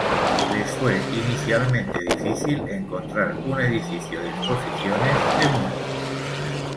Les fue inicialmente difícil encontrar un edificio de exposiciones de Múnich.